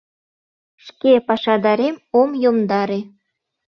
— Шке пашадарем ом йомдаре.